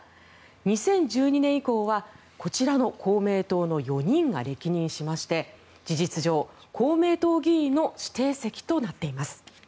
２０１２年以降はこちらの公明党の４人が歴任しまして事実上、公明党議員の指定席となっています。